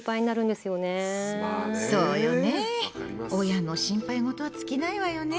親の心配ごとは尽きないわよね。